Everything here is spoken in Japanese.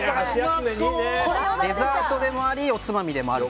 デザートでもありおつまみでもある。